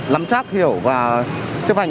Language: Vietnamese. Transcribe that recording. lắm chắc hiểu và chấp hành